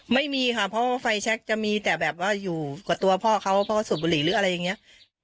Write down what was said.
ไม่มีค่ะเพราะว่าไฟแชคจะมีแต่แบบว่าอยู่กับตัวพ่อเขาพ่อสูบบุหรี่หรืออะไรอย่างนี้